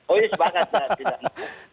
oh iya sepakat